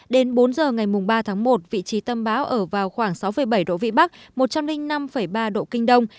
đến bốn h ngày ba tháng một vị trí tâm bão ở vào khoảng sáu bảy độ vĩ bắc một trăm linh năm ba độ kinh đông